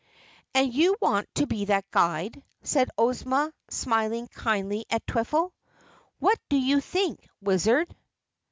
"And you want to be that guide," said Ozma smiling kindly at Twiffle. "What do you think, Wizard?"